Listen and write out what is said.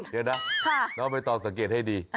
เดี๋ยวนะน้องใบตองสังเกตให้ดี